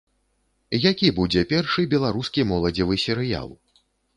Які будзе першы беларускі моладзевы серыял?